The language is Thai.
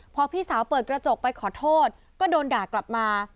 พอพี่สาวเปิดกระจกไปขอโทษก็โดนด่ากลับมา